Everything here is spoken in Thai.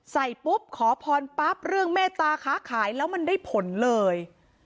เสร็จปุ๊บขอพรปั๊บเรื่องเมตตาค้าขายแล้วมันได้ผลเลย